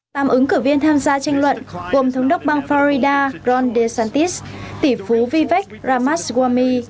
tạm ứng cử viên tham gia tranh luận gồm thống đốc bang florida ron desantis tỷ phú vivek ramaswamy